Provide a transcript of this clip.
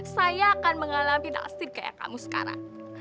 saya akan mengalami nafsir kayak kamu sekarang